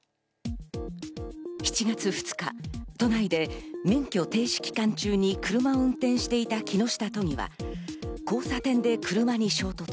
７月２日、都内で免許停止期間中に車を運転していた木下都議は交差点で車に衝突。